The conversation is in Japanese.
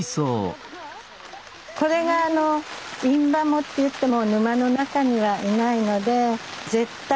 これがあのインバモってゆってもう沼の中にはいないので絶対